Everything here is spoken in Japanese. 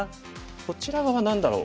こちら側は何だろう？